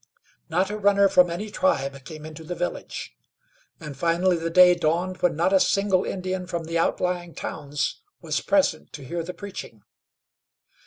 Not a runner from any tribe came into the village, and finally the day dawned when not a single Indian from the outlying towns was present to hear the preaching.